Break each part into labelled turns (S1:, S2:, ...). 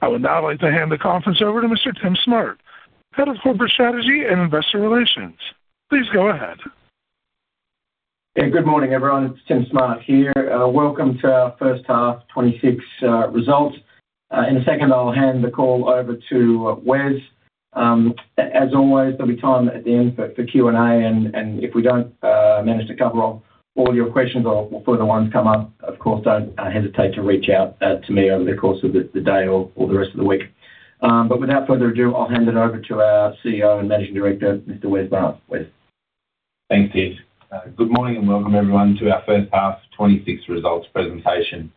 S1: I would now like to hand the conference over to Mr. Tim Smart, Head of Corporate Strategy and Investor Relations. Please go ahead.
S2: Yeah, good morning, everyone. It's Tim Smart here. Welcome to our First Half 2026 Results. In a second, I'll hand the call over to Wes. As always, there'll be time at the end for Q&A, and if we don't manage to cover off all your questions or further ones come up, of course, don't hesitate to reach out to me over the course of the day or the rest of the week. But without further ado, I'll hand it over to our CEO and Managing Director, Mr. Wes Maas. Wes?
S3: Thanks, Tim. Good morning and welcome everyone to our first half 2026 results presentation.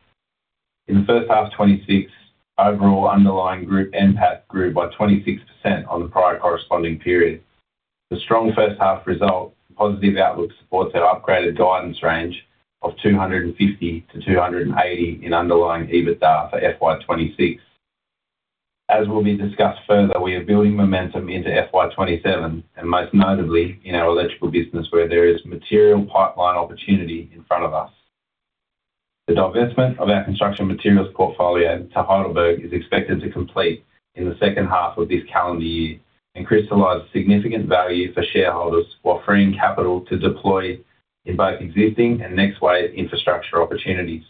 S3: In the first half 2026, overall underlying group NPAT grew by 26% on the prior corresponding period. The strong first half result positive outlook supports our upgraded guidance range of 250-280 in underlying EBITDA for FY 2026. As will be discussed further, we are building momentum into FY 2027 and most notably in our electrical business, where there is material pipeline opportunity in front of us. The divestment of our Construction Materials portfolio to Heidelberg is expected to complete in the second half of this calendar year and crystallize significant value for shareholders while freeing capital to deploy in both existing and next wave infrastructure opportunities.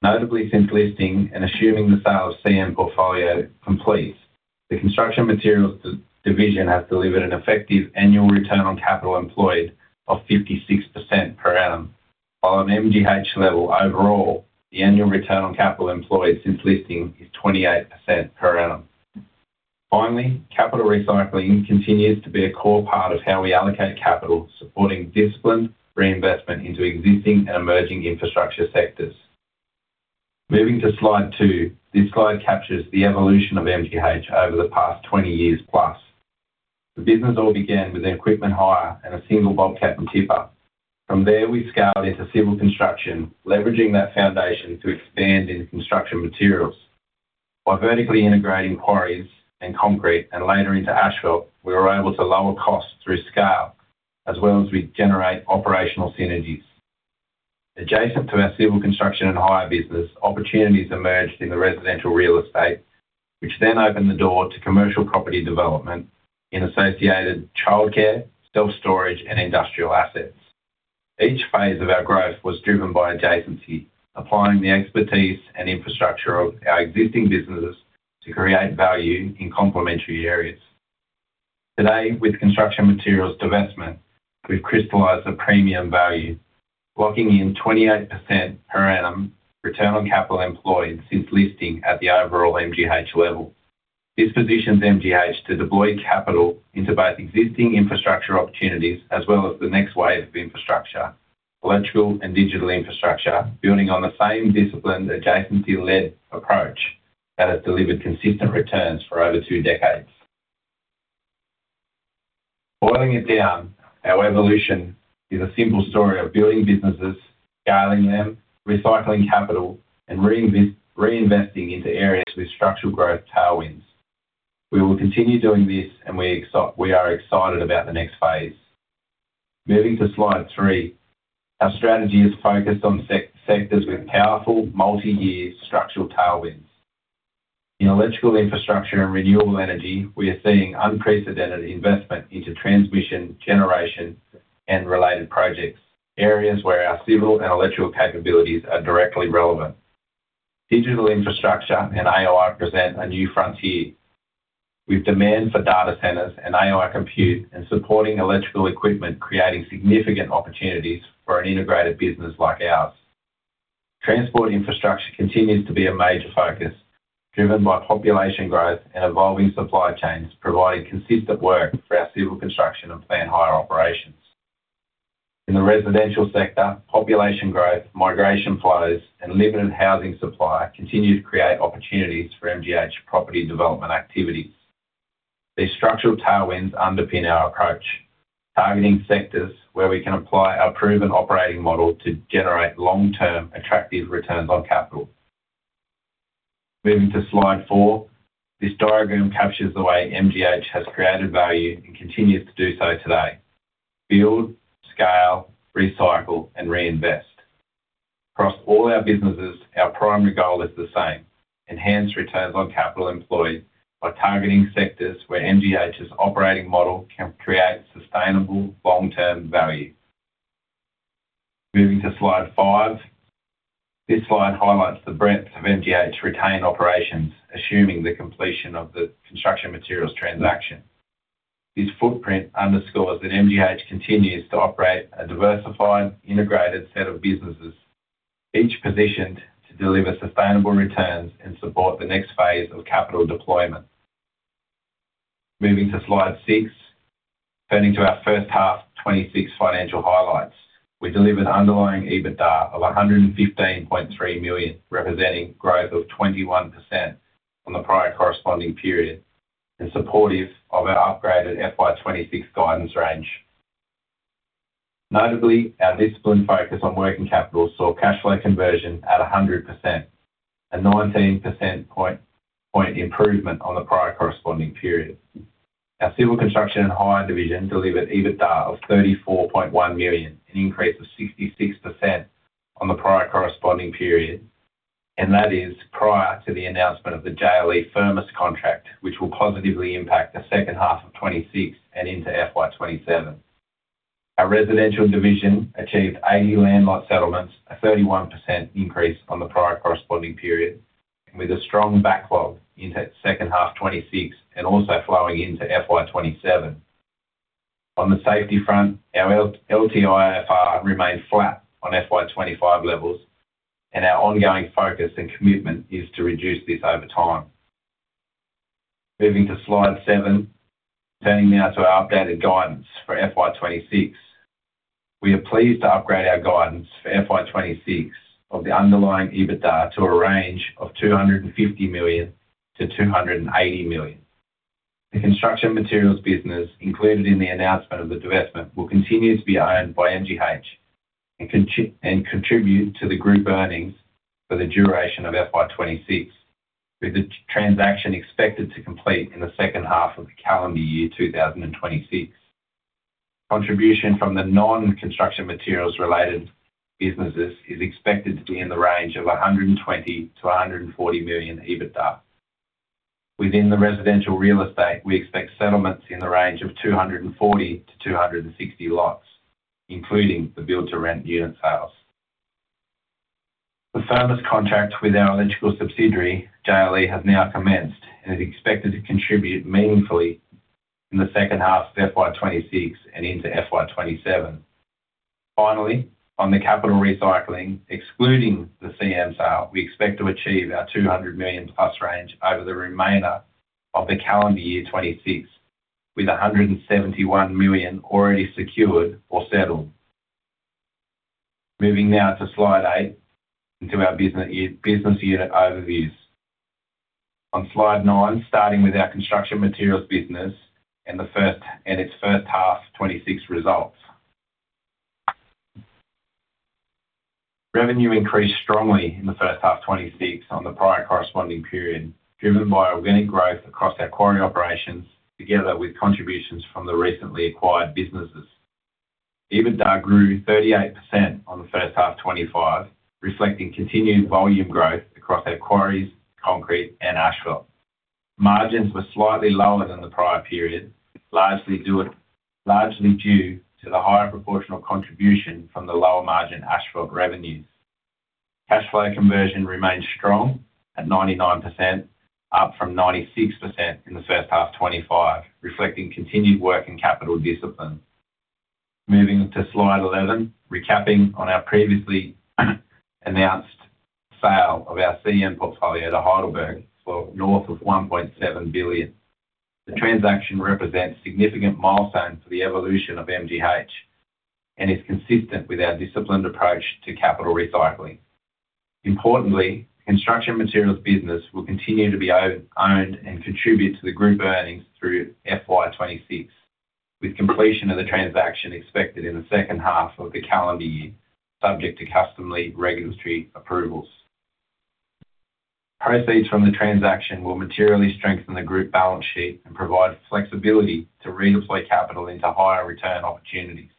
S3: Notably, since listing and assuming the sale of CM portfolio completes, the Construction Materials division has delivered an effective annual return on capital employed of 56% per annum. While on MGH level overall, the annual return on capital employed since listing is 28% per annum. Finally, capital recycling continues to be a core part of how we allocate capital, supporting disciplined reinvestment into existing and emerging infrastructure sectors. Moving to slide two, this slide captures the evolution of MGH over the past 20 years+. The business all began with equipment hire and a single Bobcat and tipper. From there, we scaled into civil construction, leveraging that foundation to expand into Construction Materials. By vertically integrating quarries and concrete, and later into asphalt, we were able to lower costs through scale, as well as we generate operational synergies. Adjacent to our Civil Construction and Hire Business, opportunities emerged in the Residential Real Estate, which then opened the door to commercial property development in associated childcare, self-storage, and industrial assets. Each phase of our growth was driven by adjacency, applying the expertise and infrastructure of our existing businesses to create value in complementary areas. Today, with Construction Materials divestment, we've crystallized a premium value, locking in 28% per annum return on capital employed since listing at the overall MGH level. This positions MGH to deploy capital into both existing infrastructure opportunities as well as the next wave of infrastructure, electrical and digital infrastructure, building on the same disciplined, adjacency-led approach that has delivered consistent returns for over two decades. Boiling it down, our evolution is a simple story of building businesses, scaling them, recycling capital, and reinvesting into areas with structural growth tailwinds. We will continue doing this, we are excited about the next phase. Moving to slide three. Our strategy is focused on sectors with powerful, multi-year structural tailwinds. In electrical infrastructure and renewable energy, we are seeing unprecedented investment into transmission, generation, and related projects, areas where our civil and electrical capabilities are directly relevant. Digital infrastructure and AI present a new frontier, with demand for data centers and AI compute and supporting electrical equipment creating significant opportunities for an integrated business like ours. Transport infrastructure continues to be a major focus, driven by population growth and evolving supply chains, providing consistent work for our civil construction and plan hire operations. In the residential sector, population growth, migration flows, and limited housing supply continue to create opportunities for MGH property development activities. These structural tailwinds underpin our approach, targeting sectors where we can apply our proven operating model to generate long-term attractive returns on capital. Moving to slide four, this diagram captures the way MGH has created value and continues to do so today. Build, scale, recycle, and reinvest. Across all our businesses, our primary goal is the same: enhance returns on capital employed by targeting sectors where MGH's operating model can create sustainable long-term value. Moving to slide five. This slide highlights the breadth of MGH retained operations, assuming the completion of the Construction Materials transaction. This footprint underscores that MGH continues to operate a diversified, integrated set of businesses, each positioned to deliver sustainable returns and support the next phase of capital deployment. Moving to slide six. Turning to our first half 2026 financial highlights, we delivered underlying EBITDA of 115.3 million, representing growth of 21% from the prior corresponding period and supportive of our upgraded FY 2026 guidance range. Notably, our disciplined focus on working capital saw cash flow conversion at 100%, a 19 percent point improvement on the prior corresponding period. Our Civil, Construction and Hire division delivered EBITDA of 34.1 million, an increase of 66% on the prior corresponding period. That is prior to the announcement of the JLE-Firmus contract, which will positively impact the second half of 2026 and into FY 2027. Our residential division achieved 80 land lot settlements, a 31% increase on the prior corresponding period, with a strong backlog into second half 2026 and also flowing into FY 2027. On the safety front, our LTIFR remains flat on FY 2025 levels, and our ongoing focus and commitment is to reduce this over time. Moving to slide seven. Turning now to our updated guidance for FY 2026. We are pleased to upgrade our guidance for FY 2026 of the underlying EBITDA to a range of 250 million-280 million. The Construction Materials business, included in the announcement of the divestment, will continue to be owned by MGH and contribute to the group earnings for the duration of FY 2026, with the transaction expected to complete in the second half of the calendar year 2026. Contribution from the non-Construction Materials related businesses is expected to be in the range of 120 million-140 million EBITDA. Within the Residential Real Estate, we expect settlements in the range of 240-260 lots, including the build-to-rent unit sales. The service contract with our electrical subsidiary, JLE, has now commenced and is expected to contribute meaningfully in the second half of FY 2026 and into FY 2027. Finally, on the capital recycling, excluding the CM sale, we expect to achieve our 200 million+ range over the remainder of the calendar year 2026, with 171 million already secured or settled. Moving now to slide eight, into our business unit, business unit overviews. On slide nine, starting with our Construction Materials business and its first half 2026 results. Revenue increased strongly in the first half 2026 on the prior corresponding period, driven by organic growth across our quarry operations, together with contributions from the recently acquired businesses. EBITDA grew 38% on the first half 2025, reflecting continued volume growth across our quarries, concrete and asphalt. Margins were slightly lower than the prior period, largely due to the higher proportional contribution from the lower margin asphalt revenues. Cash flow conversion remains strong at 99%, up from 96% in the first half 2025, reflecting continued work and capital discipline. Moving to slide 11. Recapping on our previously announced sale of our CM portfolio to Heidelberg for north of 1.7 billion. The transaction represents a significant milestone for the evolution of MGH and is consistent with our disciplined approach to capital recycling. Importantly, Construction Materials business will continue to be owned, owned and contribute to the group earnings through FY 2026, with completion of the transaction expected in the second half of the calendar year, subject to customary regulatory approvals. Proceeds from the transaction will materially strengthen the group balance sheet and provide flexibility to redeploy capital into higher return opportunities.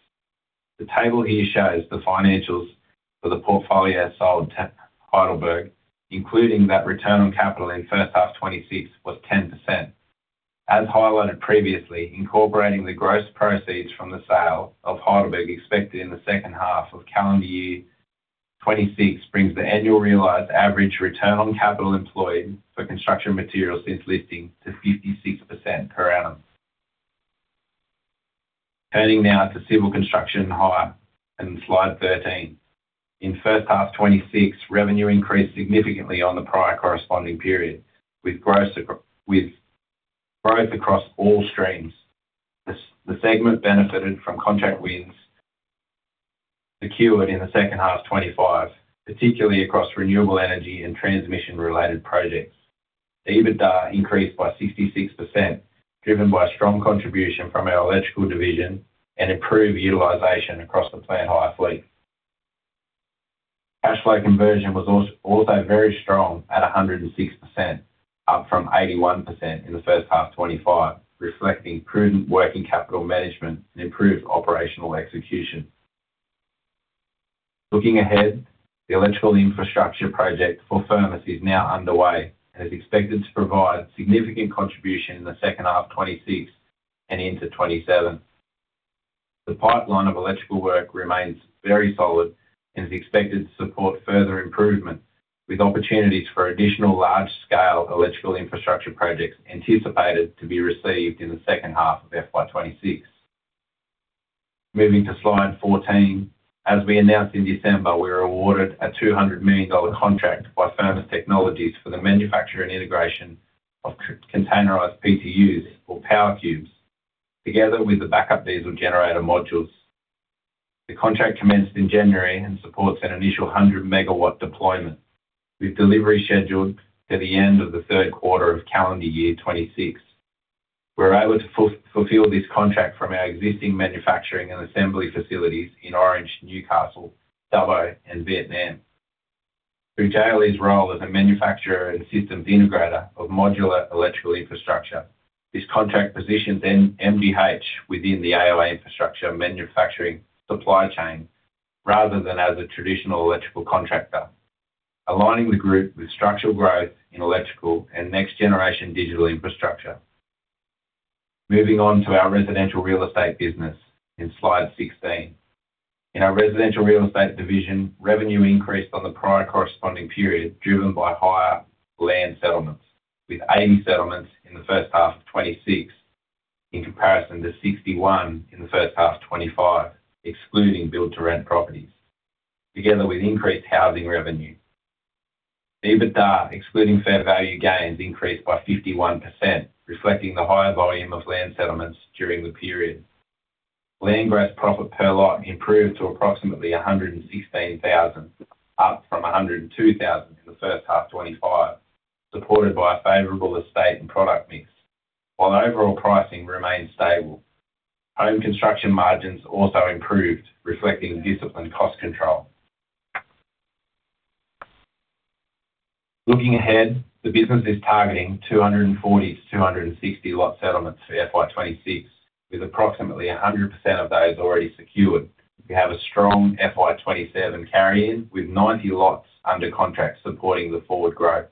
S3: The table here shows the financials for the portfolio sold to Heidelberg, including that return on capital in first half 2026 was 10%. As highlighted previously, incorporating the gross proceeds from the sale of Heidelberg, expected in the second half of calendar year 2026, brings the annual realized average return on capital employed for Construction Materials since listing to 56% per annum. Turning now to Civil, Construction and Hire in slide 13. In first half 2026, revenue increased significantly on the prior corresponding period, with growth across all streams. The segment benefited from contract wins secured in the second half of 2025, particularly across renewable energy and transmission-related projects. The EBITDA increased by 66%, driven by strong contribution from our electrical division and improved utilization across the plant hire fleet. Cash flow conversion was also very strong at 106%, up from 81% in the first half 2025, reflecting prudent working capital management and improved operational execution. Looking ahead, the electrical infrastructure project for Firmus is now underway and is expected to provide significant contribution in the second half of 2026 and into 2027. The pipeline of electrical work remains very solid and is expected to support further improvement, with opportunities for additional large-scale electrical infrastructure projects anticipated to be received in the second half of FY 2026. Moving to slide 14. As we announced in December, we were awarded an 200 million dollar contract by Firmus Technologies for the manufacture and integration of containerized PTUs or Power Cubes, together with the backup diesel generator modules. The contract commenced in January and supports an initial 100 megawatt deployment, with delivery scheduled for the end of the third quarter of calendar year 2026. We're able to fulfill this contract from our existing manufacturing and assembly facilities in Orange, Newcastle, Dubbo and Vietnam. Through Daly's role as a manufacturer and systems integrator of modular electrical infrastructure, this contract positions MGH within the AI infrastructure manufacturing supply chain, rather than as a traditional electrical contractor. Aligning the group with structural growth in electrical and next generation digital infrastructure. Moving on to our Residential Real Estate business in slide 16. In our Residential Real Estate division, revenue increased on the prior corresponding period, driven by higher land settlements, with 80 settlements in the first half of 2026, in comparison to 61 in the first half of 2025, excluding build-to-rent properties, together with increased housing revenue. EBITDA, excluding fair value gains, increased by 51%, reflecting the higher volume of land settlements during the period. Land gross profit per lot improved to approximately 116,000, up from 102,000 in the first half of 2025, supported by a favorable estate and product mix. While overall pricing remained stable, home construction margins also improved, reflecting disciplined cost control. Looking ahead, the business is targeting 240-260 lot settlements for FY 2026, with approximately 100% of those already secured. We have a strong FY 2027 carry-in, with 90 lots under contract supporting the forward growth.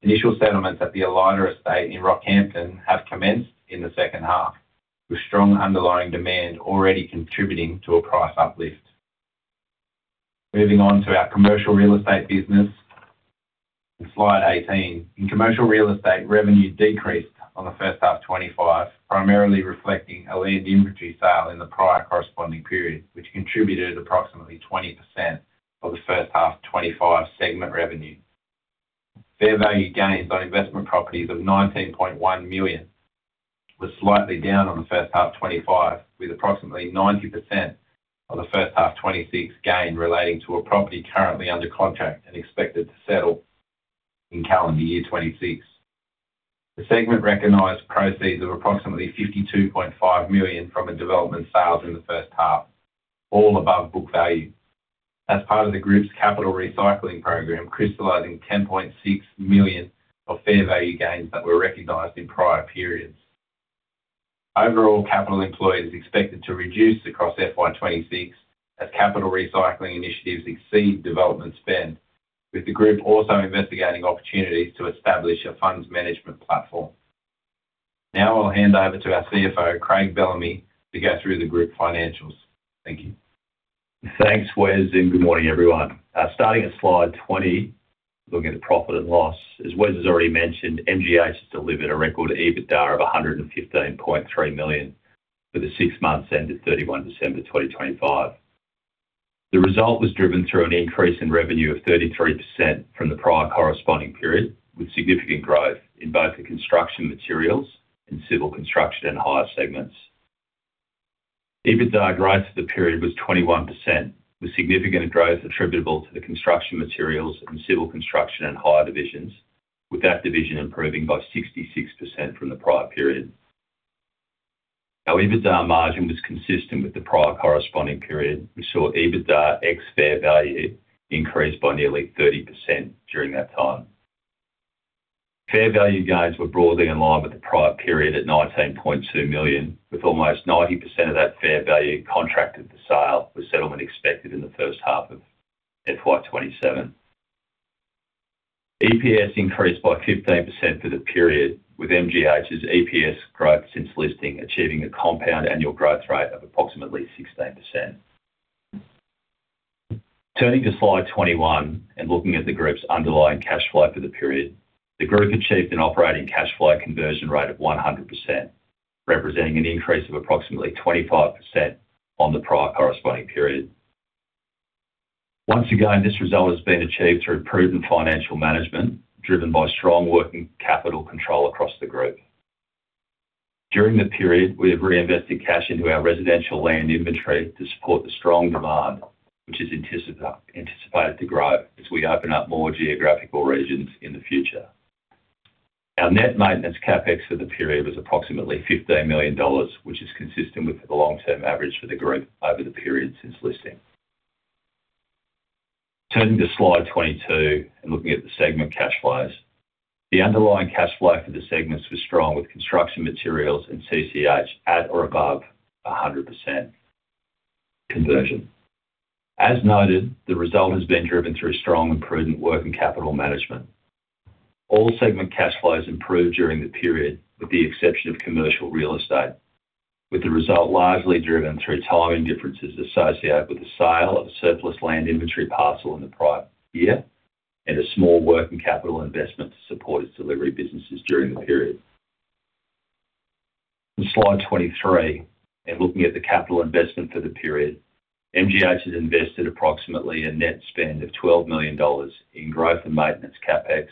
S3: Initial settlements at the Ellida estate in Rockhampton have commenced in the second half, with strong underlying demand already contributing to a price uplift. Moving on to our Commercial Real Estate business. In slide 18, in Commercial Real Estate, revenue decreased on the first half of 2025, primarily reflecting a land inventory sale in the prior corresponding period, which contributed approximately 20% of the first half of 2025 segment revenue. Fair value gains on investment properties of 19.1 million was slightly down on the first half of 2025, with approximately 90% of the first half of 2026 gain relating to a property currently under contract and expected to settle in calendar year 2026. The segment recognized proceeds of approximately 52.5 million from a development sales in the first half, all above book value. As part of the group's capital recycling program, crystallizing 10.6 million of fair value gains that were recognized in prior periods. Overall, capital employed is expected to reduce across FY 2026 as capital recycling initiatives exceed development spend, with the group also investigating opportunities to establish a funds management platform. I'll hand over to our CFO, Craig Bellamy, to go through the group financials. Thank you.
S4: Thanks, Wes, and good morning, everyone. Starting at slide 20, looking at profit and loss. As Wes has already mentioned, MGH has delivered a record EBITDA of 115.3 million for the six months ended 31 December 2025. The result was driven through an increase in revenue of 33% from the prior corresponding period, with significant growth in both the Construction Materials, and Civil, Construction and Hire segments. EBITDA growth for the period was 21%, with significant growth attributable to the Construction Materials, and Civil, Construction and Hire divisions, with that division improving by 66% from the prior period. Our EBITDA margin was consistent with the prior corresponding period. We saw EBITDA ex fair value increase by nearly 30% during that time. Fair value gains were broadly in line with the prior period at 19.2 million, with almost 90% of that fair value contracted for sale, with settlement expected in the first half of FY 2027. EPS increased by 15% for the period, with MGH's EPS growth since listing, achieving a compound annual growth rate of approximately 16%. Turning to slide 21 and looking at the group's underlying cash flow for the period. The group achieved an operating cash flow conversion rate of 100%, representing an increase of approximately 25% on the prior corresponding period. Once again, this result has been achieved through prudent financial management, driven by strong working capital control across the group. During the period, we have reinvested cash into our residential land inventory to support the strong demand, which is anticipated to grow as we open up more geographical regions in the future. Our net maintenance CapEx for the period was approximately 15 million dollars, which is consistent with the long-term average for the group over the period since listing. Turning to slide 22 and looking at the segment cash flows. The underlying cash flow for the segments was strong, with Construction Materials and CCH at or above 100% conversion. As noted, the result has been driven through strong and prudent working capital management. All segment cash flows improved during the period, with the exception of Commercial Real Estate, with the result largely driven through timing differences associated with the sale of a surplus land inventory parcel in the prior year, and a small working capital investment to support its delivery businesses during the period. On slide 23, looking at the capital investment for the period, MGH has invested approximately a net spend of 12 million dollars in growth and maintenance CapEx,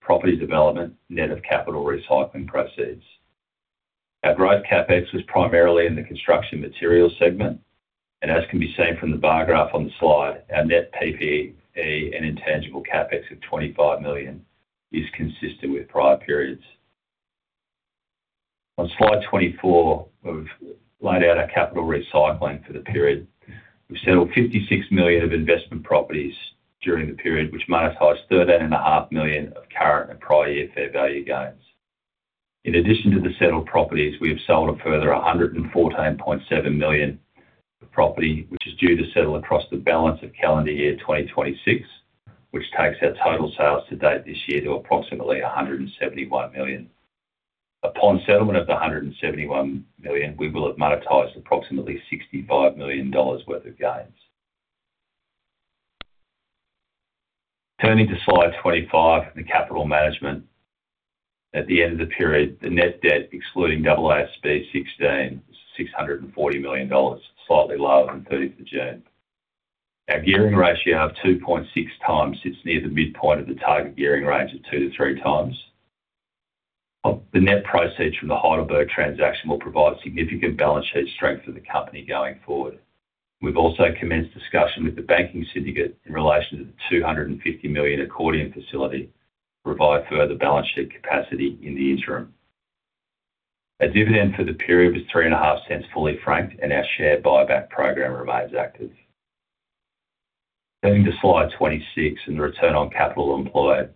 S4: property development, net of capital recycling proceeds. Our growth CapEx was primarily in the Construction Materials segment, as can be seen from the bar graph on the slide, our net PPE and intangible CapEx of 25 million is consistent with prior periods. On slide 24, we've laid out our capital recycling for the period. We've settled 56 million of investment properties during the period, which monetized 13.5 million of current and prior year fair value gains. In addition to the settled properties, we have sold a further 114.7 million of property, which is due to settle across the balance of calendar year 2026, which takes our total sales to date this year to approximately 171 million. Upon settlement of the 171 million, we will have monetized approximately 65 million dollars worth of gains. Turning to slide 25, the capital management. At the end of the period, the net debt, excluding AASB 16, 640 million dollars, slightly lower than 30th of June. Our gearing ratio of 2.6x sits near the midpoint of the target gearing range of 2-3x. The net proceeds from the Heidelberg transaction will provide significant balance sheet strength for the company going forward. We've also commenced discussion with the banking syndicate in relation to the 250 million accordion facility to provide further balance sheet capacity in the interim. Our dividend for the period was 0.035, fully franked, and our share buyback program remains active. Turning to slide 26 and the return on capital employed.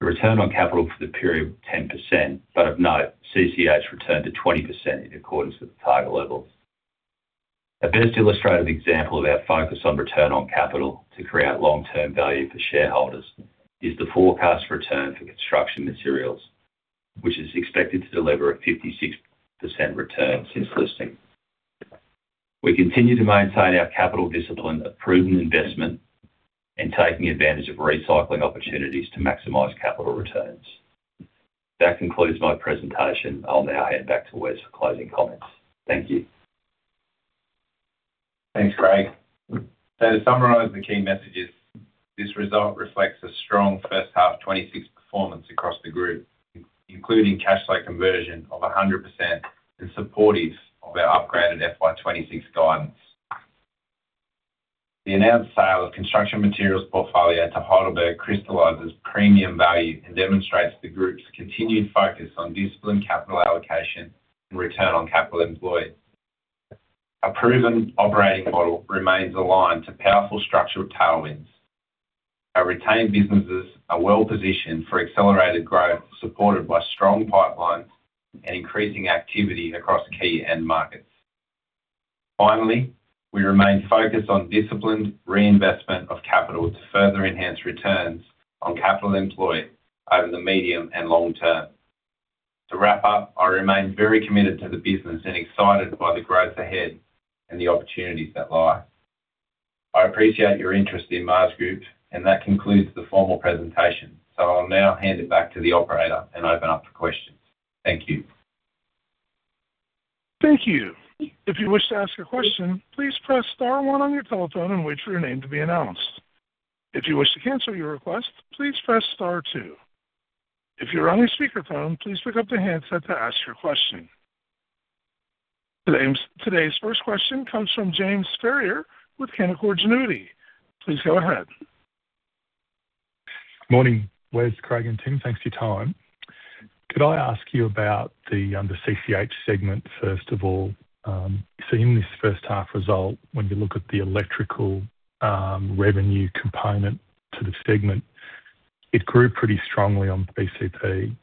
S4: The return on capital for the period, 10%, but of note, CCH returned to 20% in accordance with the target levels. A best illustrative example of our focus on return on capital to create long-term value for shareholders is the forecast return for Construction Materials, which is expected to deliver a 56% return since listing. We continue to maintain our capital discipline, approving investment, and taking advantage of recycling opportunities to maximize capital returns. That concludes my presentation. I'll now hand back to Wes for closing comments. Thank you.
S3: Thanks, Craig. To summarize the key messages, this result reflects a strong first half 2026 performance across the group, including cash flow conversion of 100%, in supportive of our upgraded FY 2026 guidance. The announced sale of Construction Materials portfolio to Heidelberg crystallizes premium value and demonstrates the group's continued focus on disciplined capital allocation and return on capital employed. A proven operating model remains aligned to powerful structural tailwinds. Our retained businesses are well positioned for accelerated growth, supported by strong pipelines and increasing activity across key end markets. Finally, we remain focused on disciplined reinvestment of capital to further enhance returns on capital employed over the medium and long term. To wrap up, I remain very committed to the business and excited by the growth ahead and the opportunities that lie. I appreciate your interest in Maas Group, that concludes the formal presentation. I'll now hand it back to the operator and open up for questions. Thank you.
S1: Thank you. If you wish to ask a question, please press star one on your telephone and wait for your name to be announced. If you wish to cancel your request, please press star two. If you're on a speakerphone, please pick up the handset to ask your question. Today's first question comes from James Ferrier with Canaccord Genuity. Please go ahead.
S5: Morning, Wes, Craig, and Tim. Thanks for your time. Could I ask you about the CCH segment, first of all? In this first half result, when you look at the electrical revenue component to the segment, it grew pretty strongly on PCP,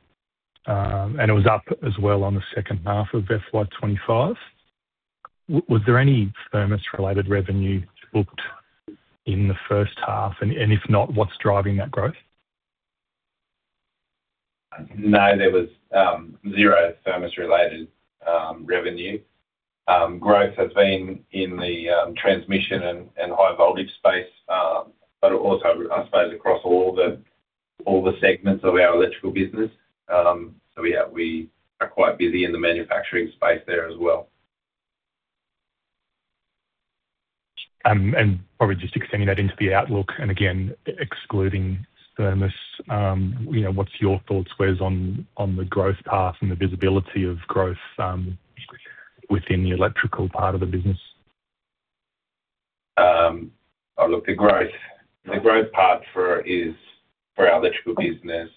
S5: and it was up as well on the second half of FY 2025. Was there any Firmus-related revenue booked in the first half? If not, what's driving that growth?
S3: No, there was zero Firmus-related revenue. Growth has been in the transmission and high voltage space, but also, I suppose, across all the, all the segments of our electrical business. We have-- we are quite busy in the manufacturing space there as well.
S5: Probably just extending that into the outlook, and again, e-excluding Firmus, you know, what's your thoughts, Wes, on, on the growth path and the visibility of growth, within the electrical part of the business?
S3: Oh, look, the growth, the growth path for our electrical business,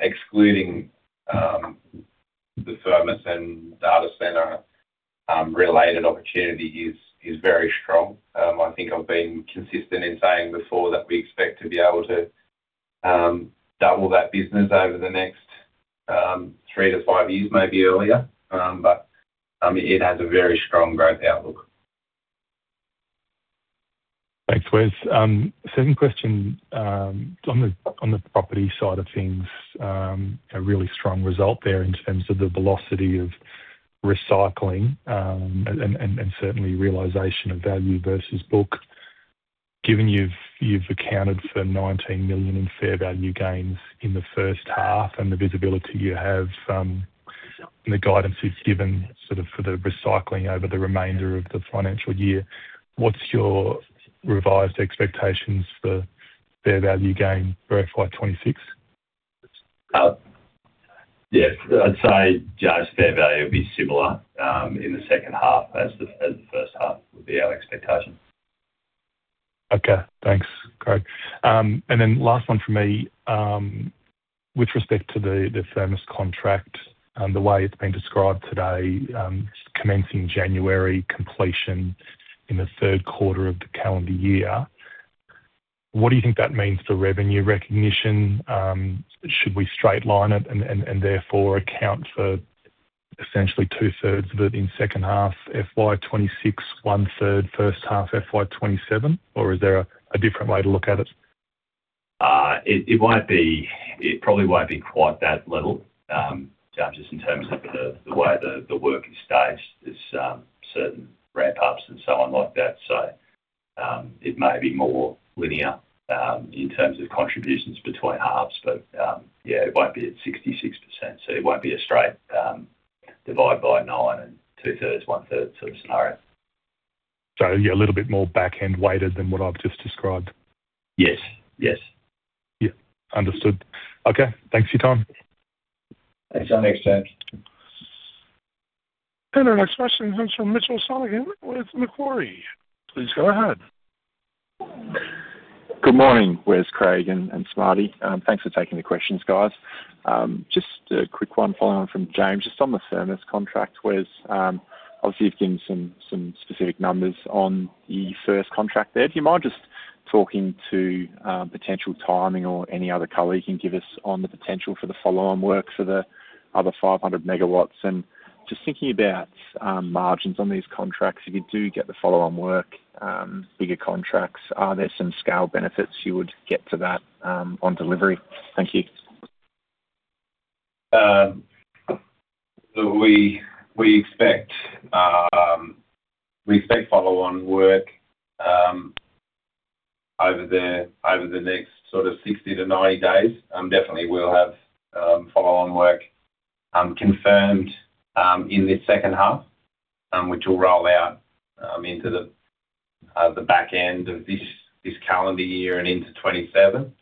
S3: excluding the Firmus and data center related opportunity, is very strong. I think I've been consistent in saying before that we expect to be able to double that business over the next three to five years, maybe earlier. It has a very strong growth outlook.
S5: Thanks, Wes. Second question, on the, on the property side of things, a really strong result there in terms of the velocity of recycling, and, and, and certainly realization of value versus book. Given you've, you've accounted for 19 million in fair value gains in the first half and the visibility you have, and the guidance is given sort of for the recycling over the remainder of the financial year, what's your revised expectations for fair value gain for FY 2026?
S4: Yes, I'd say just fair value will be similar, in the second half as the, as the first half would be our expectation.
S5: Okay, thanks, Craig. And then last one for me, with respect to the Firmus contract and the way it's been described today, commencing January, completion in the third quarter of the calendar year, what do you think that means for revenue recognition? Should we straight line it and, and, and therefore account for essentially 2/3 of it in second half, FY 2026, 1/3 first half, FY 2027, or is there a different way to look at it?
S4: It, it won't be-- It probably won't be quite that little, just in terms of the, the way the, the work is staged, there's, certain ramp-ups and so on like that. It may be more linear, in terms of contributions between halves, but, yeah, it won't be at 66%, so it won't be a straight, divide by nine and 2/3, 1/3 sort of scenario.
S5: Yeah, a little bit more back-end weighted than what I've just described.
S4: Yes. Yes.
S5: Yeah. Understood. Okay. Thanks for your time.
S3: Thanks, James. Thanks.
S1: Our next question comes from Mitchell Sonogan with Macquarie. Please go ahead.
S6: Good morning, Wes, Craig, and Smarty. Thanks for taking the questions, guys. Just a quick one following on from James. Just on the Firmus contract, Wes, obviously, you've given some specific numbers on the first contract there. Do you mind just talking to potential timing or any other color you can give us on the potential for the follow-on work for the other 500 MW? Just thinking about margins on these contracts, if you do get the follow-on work, bigger contracts, are there some scale benefits you would get for that on delivery? Thank you.
S3: We, we expect, we expect follow-on work over the next sort of 60 to 90 days. Definitely we'll have follow-on work confirmed in this second half, which will roll out into the back end of this calendar year and into 2027.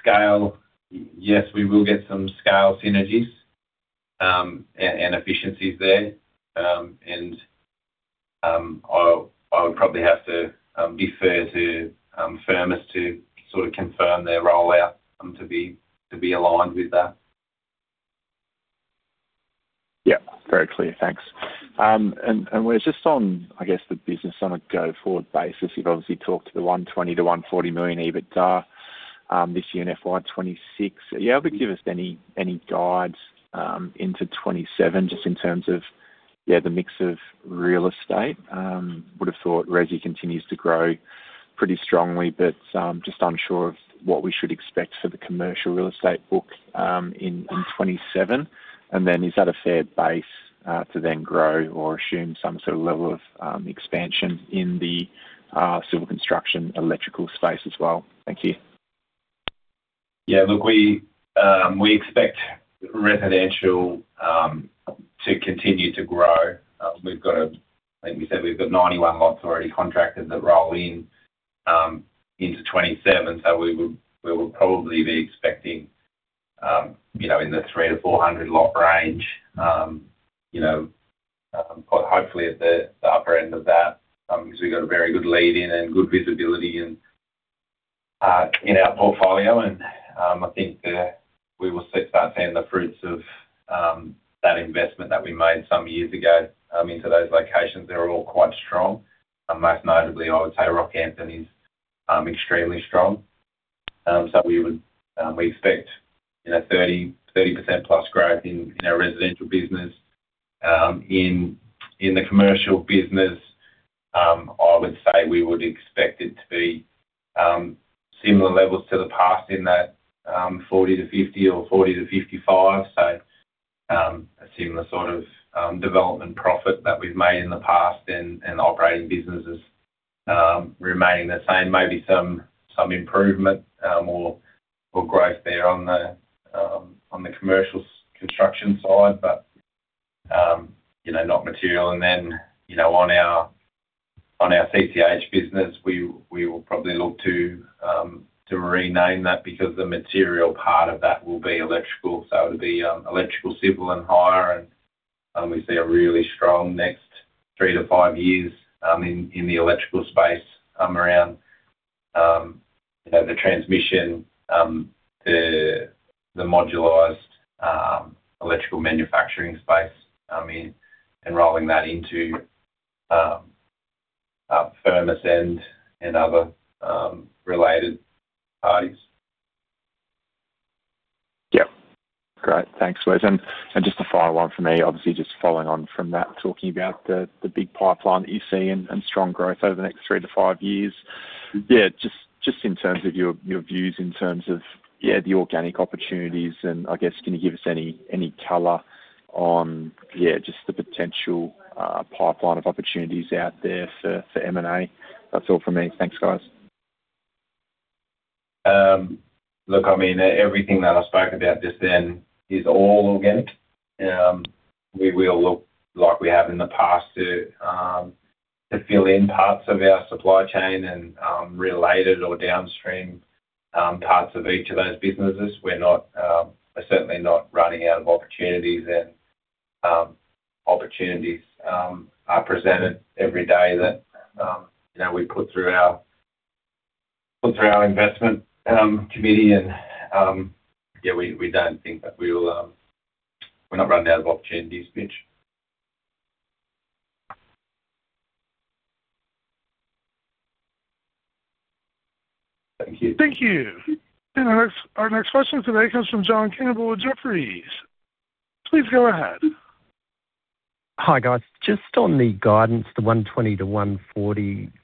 S3: Scale, yes, we will get some scale synergies and efficiencies there. I'll, I would probably have to defer to Firmus to sort of confirm their rollout to be aligned with that.
S6: Yeah, very clear. Thanks. We're just on, I guess, the business on a go-forward basis. You've obviously talked to the 120 million-140 million EBITDA this year in FY 2026. Are you able to give us any, any guides into 2027, just in terms of, yeah, the mix of Real Estate? Would have thought resi continues to grow pretty strongly, but just unsure of what we should expect for the Commercial Real Estate book in 2027. Is that a fair base to then grow or assume some sort of level of expansion in the civil construction, electrical space as well? Thank you.
S3: Yeah, look, we, we expect residential to continue to grow. We've got a, like we said, we've got 91 lots already contracted that roll in into 2027, so we will, we will probably be expecting, you know, in the 300-400 lot range, you know, hopefully at the, the upper end of that, because we've got a very good lead in and good visibility in in our portfolio, and I think we will start seeing the fruits of that investment that we made some years ago into those locations. They're all quite strong, and most notably, I would say Rockhampton is extremely strong. We would, we expect, you know, 30%, 30%+ growth in in our residential business. In, in the commercial business, I would say we would expect it to be similar levels to the past in that, 40-50 or 40-55. A similar sort of development profit that we've made in the past and, and operating businesses remaining the same, maybe some, some improvement or, or growth there on the commercial construction side, but, you know, not material. You know, on our, on our CCH business, we, we will probably look to rename that because the material part of that will be electrical. It'll be electrical, civil, and hire, and we see a really strong next three to five years in the electrical space around, you know, the transmission, the, the modularized electrical manufacturing space in, and rolling that into Firmus and, and other related parties.
S6: Yep. Great. Thanks, Wes. Just a final one for me, obviously, just following on from that, talking about the, the big pipeline that you see and, and strong growth over the next 3-5 years. Just, just in terms of your, your views in terms of, the organic opportunities, and I guess, can you give us any, any color on, just the potential pipeline of opportunities out there for, for M&A? That's all for me. Thanks, guys.
S3: Look, I mean, everything that I spoke about just then is all organic. We will look like we have in the past to fill in parts of our supply chain and related or downstream parts of each of those businesses. We're not, we're certainly not running out of opportunities and opportunities are presented every day that, you know, we put through our, put through our investment committee, and yeah, we, we don't think that we will, we're not running out of opportunities, Mitch. Thank you.
S1: Thank you. Our next question today comes from John Campbell with Jefferies. Please go ahead.
S7: Hi, guys. Just on the guidance, the 120-140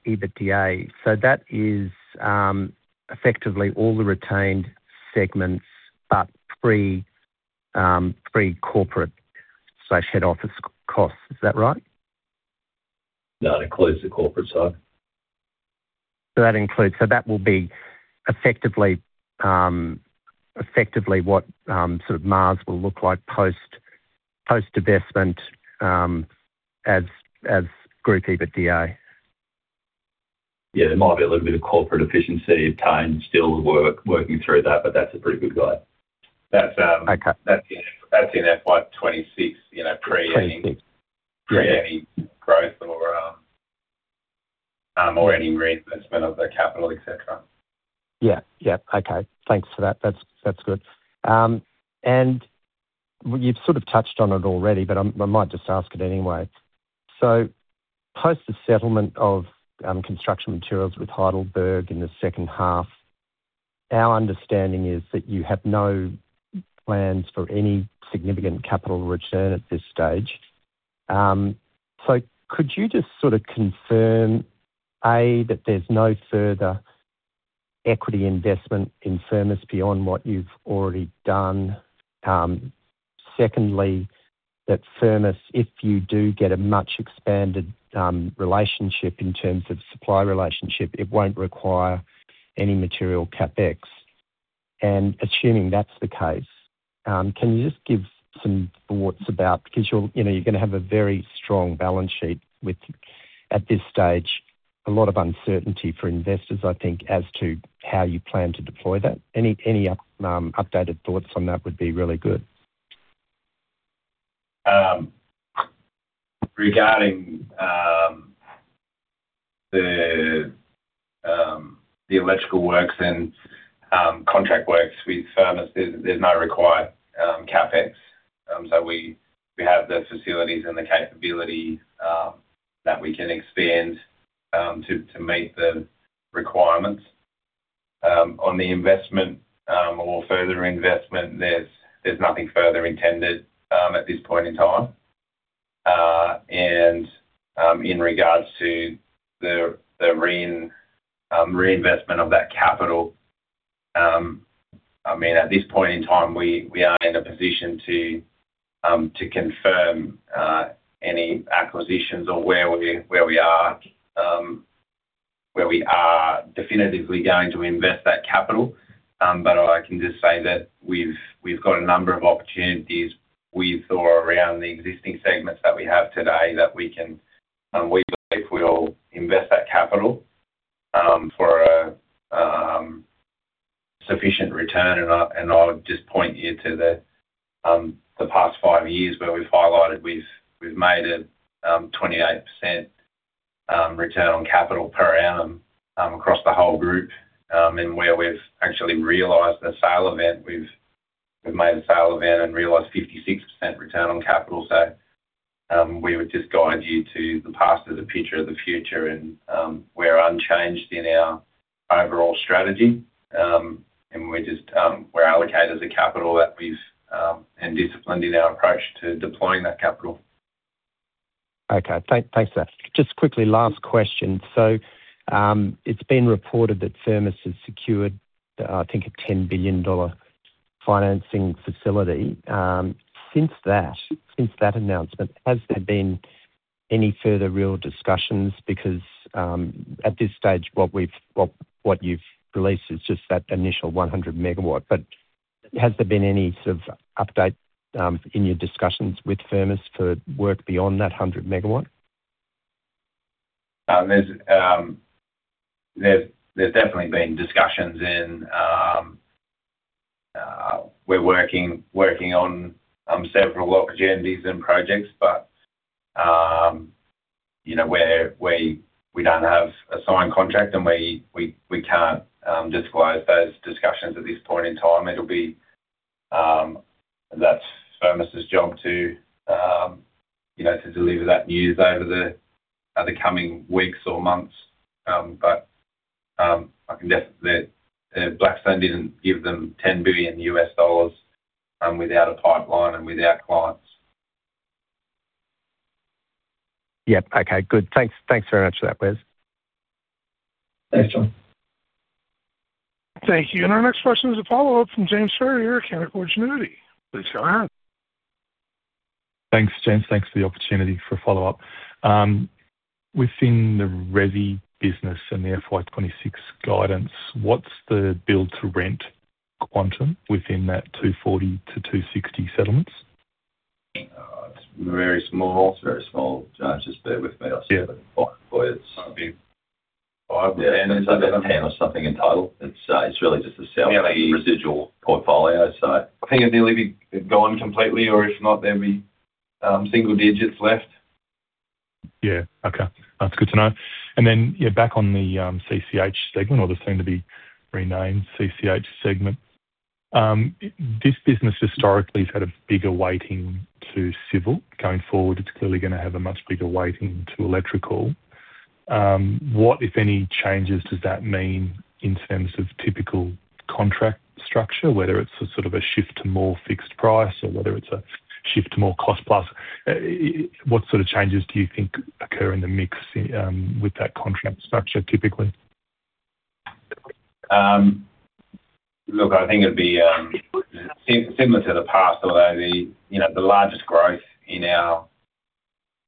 S7: EBITDA. That is, effectively all the retained segments, but pre, pre-corporate, slash, head office costs. Is that right?
S4: No, it includes the corporate side.
S7: That includes, so that will be effectively, effectively what, sort of Maas will look like post, post-divestment, as, as group EBITDA?
S4: Yeah, there might be a little bit of corporate efficiency time, still work- working through that, but that's a pretty good guide. That's,-
S7: Okay.
S3: That's in, that's in FY 2026, you know, pre any-
S7: Pre FY 2026.
S3: Pre any growth or, or any reinvestment of the capital, et cetera.
S7: Yeah. Yeah. Okay, thanks for that. That's, that's good. You've sort of touched on it already, but I'm, I might just ask it anyway. So post the settlement of Construction Materials with Heidelberg in the second half, our understanding is that you have no plans for any significant capital return at this stage. So could you just sort of confirm, A, that there's no further equity investment in Firmus beyond what you've already done? Secondly, that Firmus, if you do get a much expanded, relationship in terms of supply relationship, it won't require any material CapEx. Assuming that's the case, can you just give some thoughts about, because you're, you know, you're gonna have a very strong balance sheet with, at this stage, a lot of uncertainty for investors, I think, as to how you plan to deploy that? Any, any up, updated thoughts on that would be really good.
S3: Regarding the electrical works and contract works with Firmus, there's no required CapEx. We have the facilities and the capability that we can expand to meet the requirements. On the investment, or further investment, there's nothing further intended at this point in time. In regards to the reinvestment of that capital, I mean, at this point in time, we are in a position to confirm any acquisitions or where we, where we are, where we are definitively going to invest that capital. But I can just say that we've, we've got a number of opportunities with or around the existing segments that we have today, that we can, we believe we'll invest that capital, for a sufficient return. I, and I'll just point you to the past five years where we've highlighted, we've, we've made a 28% return on capital per annum across the whole group. Where we've actually realized a sale event, we've, we've made a sale event and realized 56% return on capital. We would just guide you to the past is the picture of the future, and we're unchanged in our overall strategy. We're just, we're allocators of capital that we've, and disciplined in our approach to deploying that capital.
S7: Okay. Thanks for that. Just quickly, last question. It's been reported that Firmus has secured, I think, an 10 billion dollar financing facility. Since that, since that announcement, has there been any further real discussions? At this stage, what you've released is just that initial 100 megawatt. Has there been any sort of update in your discussions with Firmus for work beyond that 100 MW?
S3: There's, there's, there's definitely been discussions in, we're working, working on, several opportunities and projects. You know, we're, we, we don't have a signed contract and we, we, we can't disclose those discussions at this point in time. It'll be, that's Firmus's job to, you know, to deliver that news over the coming weeks or months. I can def-- Blackstone didn't give them $10 billion without a pipeline and without clients.
S7: Yep. Okay, good. Thanks. Thanks very much for that, Wes.
S3: Thanks, John.
S1: Thank you. Our next question is a follow-up from James Ferrier, Canaccord Genuity. Please go ahead.
S5: Thanks, James, thanks for the opportunity for a follow-up. Within the Resi business and the FY 2026 guidance, what's the build-to-rent quantum within that 240-260 settlements?
S4: It's very small.
S3: It's very small, James. Just bear with me.
S5: Yeah.
S4: I'll see if I can find for you. It's not five or 10, is that better? 10 or something in total. It's really just a sell residual portfolio, so.
S3: I think it'll nearly be gone completely, or if not, there'll be single digits left.
S5: Yeah, okay. That's good to know. Yeah, back on the CCH segment, or the soon to be renamed CCH segment. This business historically has had a bigger weighting to civil. Going forward, it's clearly gonna have a much bigger weighting to electrical. What, if any, changes does that mean in terms of typical contract structure? Whether it's a sort of a shift to more fixed price or whether it's a shift to more cost plus, what sort of changes do you think occur in the mix with that contract structure, typically?
S3: Look, I think it'd be similar to the past, although the, you know, the largest growth in our,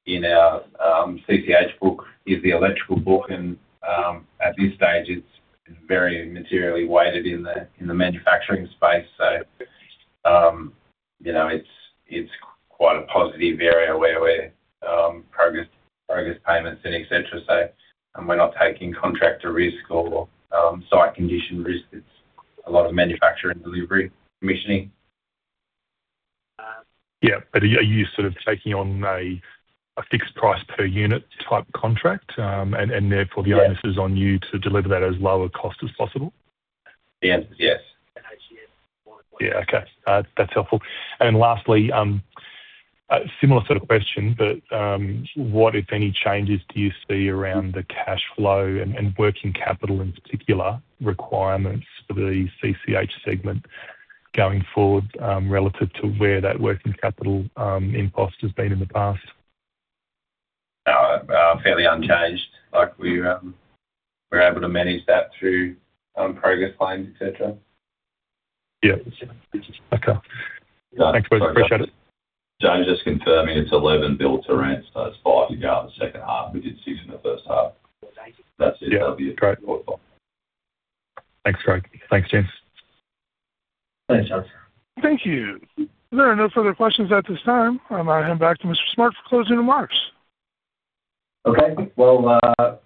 S3: in our CCH book is the electrical book, and at this stage, it's very materially weighted in the, in the manufacturing space. You know, it's quite a positive area where we're progress payments and et cetera. And we're not taking contractor risk or site condition risk. It's a lot of manufacturing, delivery, commissioning.
S5: Yeah, are you sort of taking on a, a fixed price per unit type contract, and, and therefore.
S3: Yes...
S5: the onus is on you to deliver that as lower cost as possible?
S3: The answer is yes.
S5: Yeah, okay. That's helpful. Then lastly, a similar sort of question, but, what, if any, changes do you see around the cash flow and working capital in particular, requirements for the CCH segment going forward, relative to where that working capital, impost has been in the past?
S3: Fairly unchanged. Like, we're able to manage that through progress claims, et cetera.
S5: Yeah. Okay. Thanks, guys. Appreciate it.
S4: James, just confirming it's 11 build-to-rent. It's 5 in out the second half. We did six in the first half. That's it.
S5: Yeah, great.
S4: That'll be it.
S3: Thanks, Craig. Thanks, James.
S4: Thanks, James.
S1: Thank you. There are no further questions at this time. I'm gonna hand back to Mr. Smart for closing remarks.
S2: Okay. Well,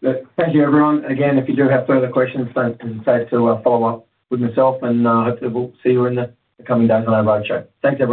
S2: thank you, everyone. Again, if you do have further questions, don't hesitate to follow up with myself, and hopefully we'll see you in the coming days on our roadshow. Thanks, everyone.